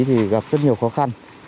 thì gặp rất nhiều khó khăn